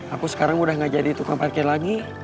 aku sekarang udah gak jadi tukang parkir lagi